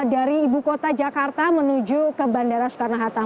dari ibu kota jakarta menuju ke bandara soekarno hatta